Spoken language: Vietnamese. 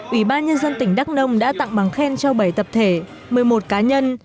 ủy ban nhân dân tỉnh đắk nông đã tặng bằng khen cho bảy tập thể một mươi một cá nhân